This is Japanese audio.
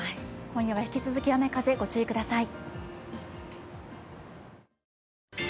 今夜は引き続き、雨風、ご注意ください。